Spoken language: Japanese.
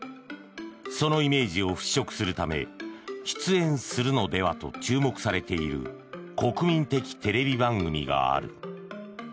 そのイメージを払しょくするため出演するのではと注目されている国民的テレビ番組がある。